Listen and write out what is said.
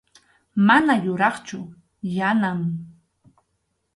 Mana yuraqchu Yanam.